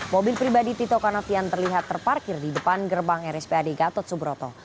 mobil pribadi tito karnavian terlihat terparkir di depan gerbang rspad gatot subroto